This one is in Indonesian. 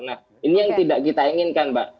nah ini yang tidak kita inginkan mbak